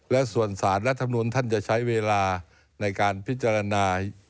และส่วนสารรัฐมนุนท่านจะใช้เวลาในการพิจารณา